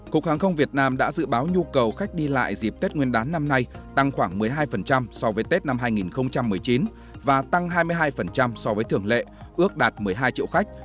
cục hàng không việt nam đã dự báo nhu cầu khách đi lại dịp tết nguyên đán năm nay tăng khoảng một mươi hai so với tết năm hai nghìn một mươi chín và tăng hai mươi hai so với thường lệ ước đạt một mươi hai triệu khách